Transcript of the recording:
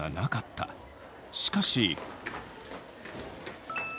しかし。